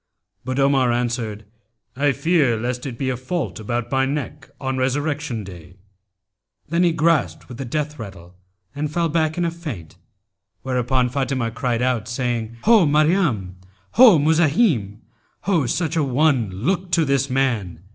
But Omar answered, 'I fear lest it be a fault about my neck on Resurrection Day.' Then he gasped with the death rattle and fell back in a faint; whereupon Fatimah cried out, saying, 'Ho, Maryam! Ho, Muzahim![FN#292] Ho, such an one! Look to this man!'